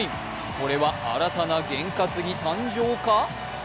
これは新たな験担ぎ誕生か？